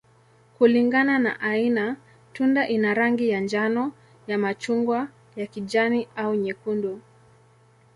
Kulingana na aina, tunda ina rangi ya njano, ya machungwa, ya kijani, au nyekundu.